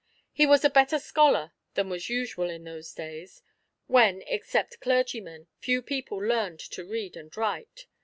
He was a better scholar than was usual in those days, when, except clergymen, few people learned to read and write.